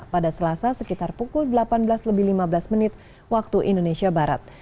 pada selasa sekitar pukul delapan belas lebih lima belas menit waktu indonesia barat